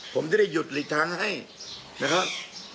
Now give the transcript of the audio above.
ผมจะได้หยุดหลีกทางให้นะครับ